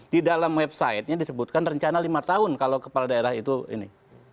di dalam websitenya disebutkan rencana lima tahun kalau kepala daerah itu ini